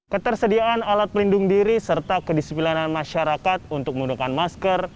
ketersediaan alat pelindung diri serta kedisiplinan masyarakat untuk menggunakan masker